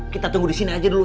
kita tunggu di sini aja dulu